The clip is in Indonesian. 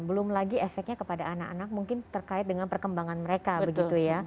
belum lagi efeknya kepada anak anak mungkin terkait dengan perkembangan mereka begitu ya